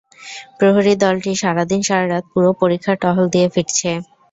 প্রহরী দলটি সারাদিন সারা রাত পুরো পরিখা টহল দিয়ে ফিরছে।